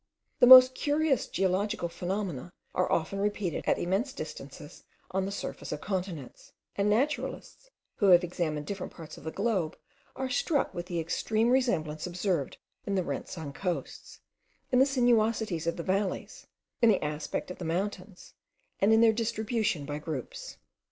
The most curious geological phenomena are often repeated at immense distances on the surface of continents; and naturalists who have examined different parts of the globe, are struck with the extreme resemblance observed in the rents on coasts, in the sinuosities of the valleys, in the aspect of the mountains, and in their distribution by groups.